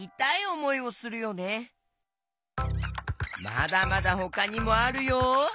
まだまだほかにもあるよ。